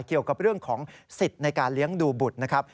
เกี่ยวกับเรื่องของสิทธิ์ในการเลี้ยงดูบุตรนะครับ